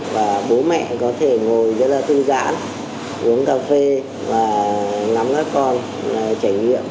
và bố mẹ có thể ngồi rất là thư giãn uống cà phê và nắm các con trải nghiệm